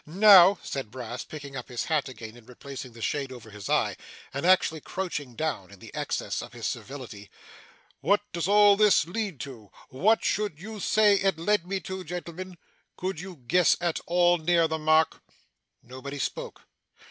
Now,' said Brass, picking up his hat again and replacing the shade over his eye, and actually crouching down, in the excess of his servility, 'what does all this lead to? what should you say it led me to, gentlemen? could you guess at all near the mark?' Nobody spoke.